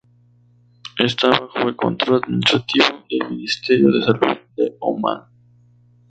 Está bajo el control administrativo del Ministerio de Salud de Omán.